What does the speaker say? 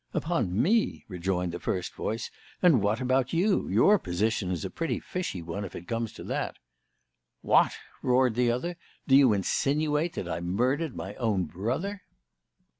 "Upon me!" rejoined the first voice. "And what about you? Your position is a pretty fishy one if it comes to that." "What!" roared the other. "Do you insinuate that I murdered my own brother?"